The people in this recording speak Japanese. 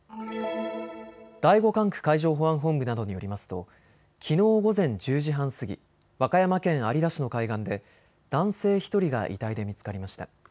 第５管区海上保安本部などによりますときのう午前１０時半過ぎ、和歌山県有田市の海岸で男性１人が遺体で見つかりました。